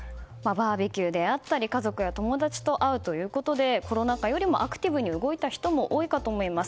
バーベキューであったり家族や友達と会うということでコロナ禍よりもアクティブに動いた人も多いかと思います。